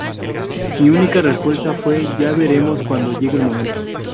Mi única respuesta fue: "Ya veremos cuando llegue el momento".